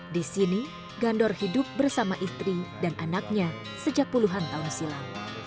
di sini gandor hidup bersama istri dan anaknya sejak puluhan tahun silam